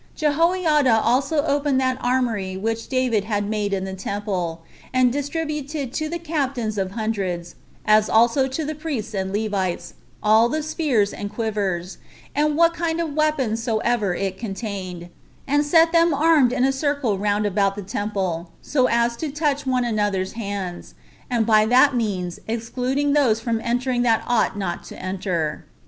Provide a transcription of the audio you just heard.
Jehoiada also opened that armory which David had made in the temple, and distributed to the captains of hundreds, as also to the priests and Levites, all the spears and quivers, and what kind of weapons soever it contained, and set them armed in a circle round about the temple, so as to touch one another's hands, and by that means excluding those from entering that ought not to enter.